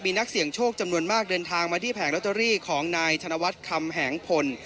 มีนักเสี่ยงโชคจำนวนมากเดินทางมาที่แผงลอตเตอรี่ของนายธนวัฒน์คำแหงพล